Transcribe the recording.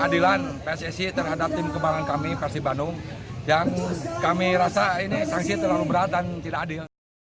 dan aliansi bobotoh tasik melawan juga menuntut edy rahmayadi untuk mundur